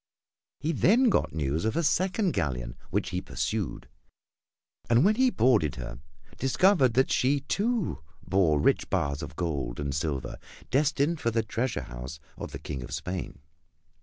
He then got news of a second galleon which he pursued, and when he boarded her discovered that she too bore rich bars of gold and silver destined for the treasure house of the King of Spain.